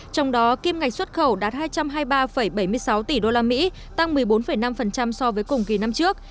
trong đó kim ngạch xuất khẩu đạt hai trăm hai mươi ba bảy mươi sáu tỷ usd tăng một mươi bốn năm so với cùng kỳ năm trước